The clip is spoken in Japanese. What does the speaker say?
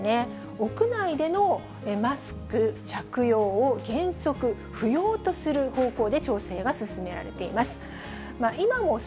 屋内でのマスク着用を原則不要とする方向で調整が進められています。